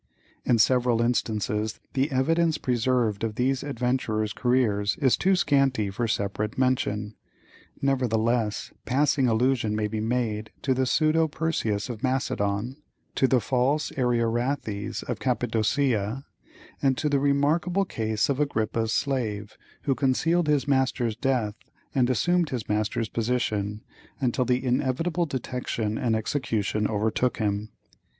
In several instances the evidence preserved of these adventurers' careers is too scanty for separate mention, nevertheless passing allusion may be made to the pseudo Perseus of Macedon, to the false Ariarathes of Cappadocia, and to the remarkable case of Agrippa's slave, who concealed his master's death and assumed his master's position, until the inevitable detection and execution overtook him.